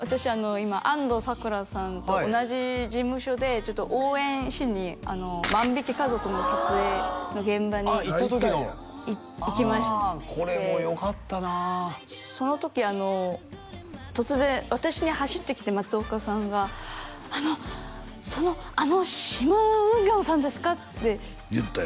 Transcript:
今安藤サクラさんと同じ事務所でちょっと応援しに「万引き家族」の撮影の現場にあっ行った時の？行きましてああこれもよかったなその時突然私に走ってきて松岡さんが「あのそのあのシム・ウンギョンさんですか？」って言ったんや？